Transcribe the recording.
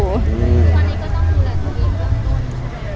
วันนี้ก็ต้องดูแลตัวเองหรือเปล่า